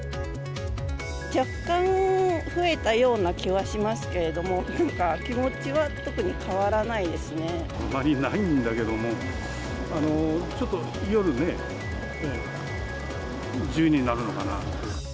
若干増えたような気はしますけど、気持ちは特に変わらないであまりないんだけども、ちょっと夜ね、自由になるのかなと。